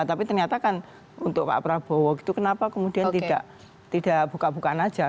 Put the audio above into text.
tapi ternyata kan untuk pak prabowo gitu kenapa kemudian tidak buka bukaan aja